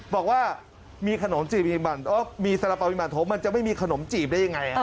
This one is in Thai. บอกว่ามีสระเป่ามีหมันโถมันจะไม่มีขนมจีบได้อย่างไร